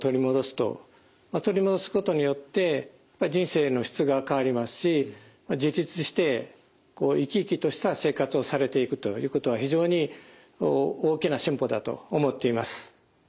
取り戻すことによって人生の質が変わりますし自立して生き生きとした生活をされていくということは非常に大きな進歩だと思っています。